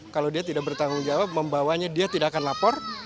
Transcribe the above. kalau dia tidak bertanggung jawab membawanya dia tidak akan lapor